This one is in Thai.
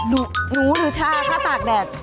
หนูหนูชาค่าตากแดด